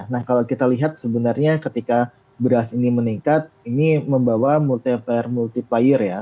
nah kalau kita lihat sebenarnya ketika beras ini meningkat ini membawa multiplier ya